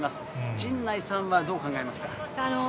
陣内さんはどう考えますか。